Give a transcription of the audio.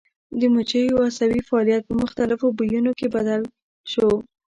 د مچیو عصبي فعالیت په مختلفو بویونو کې بدل شو.